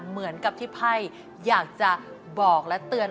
เหมือนกับที่ไพ่อยากจะบอกและเตือน